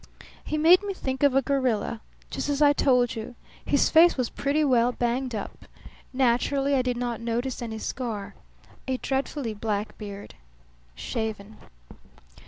"He made me think of a gorilla, just as I told you. His face was pretty well banged up. Naturally I did not notice any scar. A dreadfully black beard, shaven."